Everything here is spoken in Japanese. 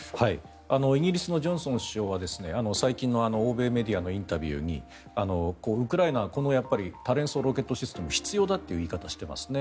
イギリスのジョンソン首相は最近の欧米メディアのインタビューにウクライナこの多連装ロケットシステムが必要だという言い方をしていますね。